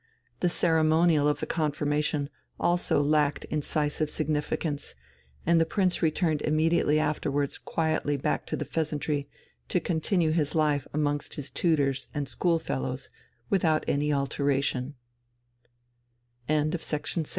The ceremonial of the confirmation also lacked incisive significance, and the Prince returned immediately afterwards quietly back to the "Pheasantry" to continue his life amongst his tutors and schoolfellows without any alteration.